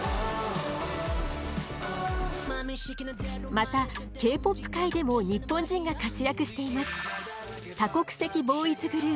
またＫ−ＰＯＰ界でも日本人が活躍しています。